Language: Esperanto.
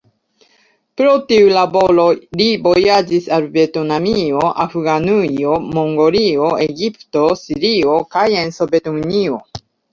Pro tiu laboro li vojaĝis al Vjetnamio, Afganujo, Mongolio, Egipto, Sirio kaj en Sovetunio.